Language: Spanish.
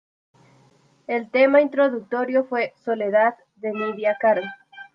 El tema introductorio fue "Soledad" de Nydia Caro.